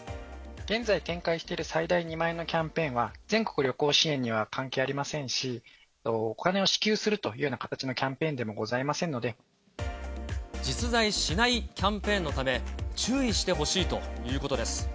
現在、展開している最大２万円のキャンペーンは、全国旅行支援には関係ありませんし、お金を支給するというような形のキャンペーンでもございませんの実在しないキャンペーンのため、注意してほしいということです。